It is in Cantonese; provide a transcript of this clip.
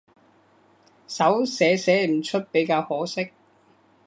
手寫寫唔出比較可惜